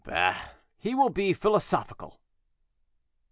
Bah! he will be philosophical."